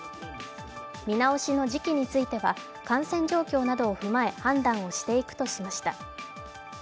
見直しの時期については感染状況などを踏まえ判断していくとしました。